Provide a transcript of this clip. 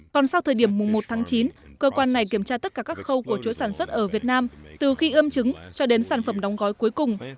còn sau thời điểm mùng một tháng chín cơ quan này kiểm tra tất cả các khâu của chuỗi sản xuất ở việt nam từ khi ươm trứng cho đến sản phẩm đóng gói cuối cùng